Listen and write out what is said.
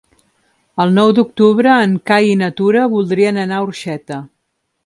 El nou d'octubre en Cai i na Tura voldrien anar a Orxeta.